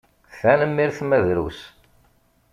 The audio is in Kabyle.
Tanemmirt, ma drus.